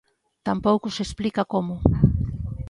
Tampouco se explica como.